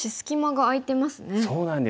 そうなんです。